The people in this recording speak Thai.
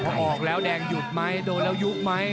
พอออกแล้วแดงหยุดไหมโดนแล้วยุบไหม